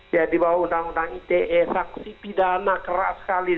ya di bawah undang undang ite sanksi pidana keras sekali